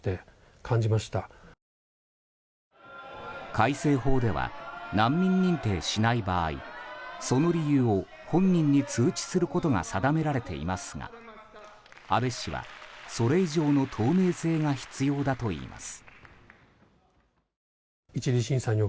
改正法では難民認定しない場合その理由を本人に通知することが定められていますが阿部氏は、それ以上の透明性が必要だといいます。